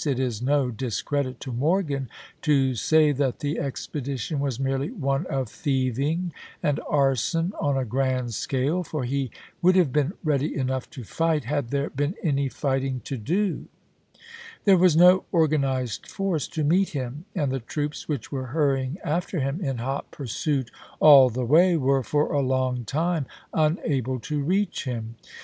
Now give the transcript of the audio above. It is no discredit to Morgan to say that the expedition was merely one of thieving and arson on a grand scale, for he would have been ready enough to fight, had there been any fighting to do. There was no organized force to meet him, and the troops which were hurrying after him in hot pursuit all I THE MAECH TO CHATTANOOGA 55 the way were for a long time unable to reach him, chap.